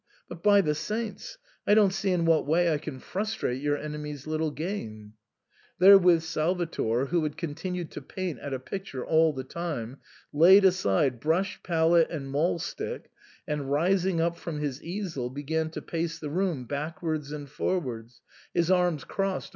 But, by the saints ! I don't see in what way I can frustrate your enemies' little game " Therewith Salvator, who had continued to paint at a picture all the time, laid aside briish, palette, and maul stick, and, rising up from his easel, began to pace the room backwards and forwards, his arms crossed over ' An allusion to the well known nepotism of the Popes.